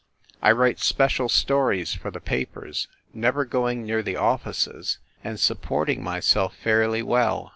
I write special stories for the papers, never going near the offices, and supporting myself fairly well.